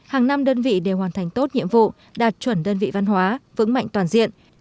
hàng năm đơn vị đều hoàn thành tốt nhiệm vụ đạt chuẩn đơn vị văn hóa vững mạnh toàn diện